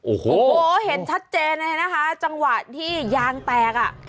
โอ้โหเห็นชัดเจนเลยนะคะจังหวะที่ยางแตกอ่ะ